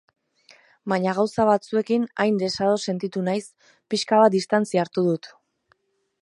Baina gauza batzuekin hain desados sentitu naiz, pixka bat distantzia hartu dut.